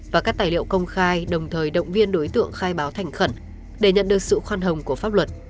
và các tài liệu công khai đồng thời động viên đối tượng khai báo thành khẩn để nhận được sự khoan hồng của pháp luật